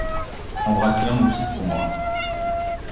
Embrasse bien mon fils pour moi.